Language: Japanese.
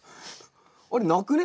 あれなくね？